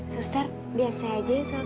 sister biar saya aja ya suapin